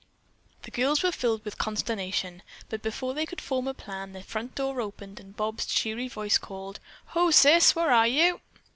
The girls were filled with consternation, but before they could form a plan, the front door opened and Bob's cheery voice called: "Ho, Sis, where are you?"